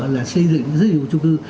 là xây dựng rất nhiều trung cư